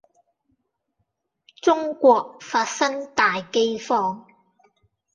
中國發生大饑荒